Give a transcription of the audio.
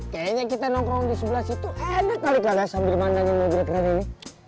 kayaknya kita nongkrong di sebelah situ enak kali kalian sambil mandangin mobil ini